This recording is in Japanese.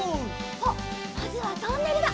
あっまずはトンネルだ。